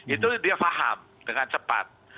itu dia faham dengan cepat